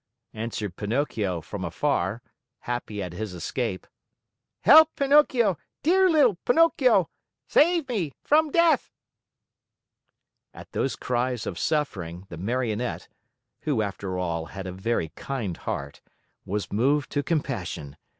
answered Pinocchio from afar, happy at his escape. "Help, Pinocchio, dear little Pinocchio! Save me from death!" At those cries of suffering, the Marionette, who after all had a very kind heart, was moved to compassion.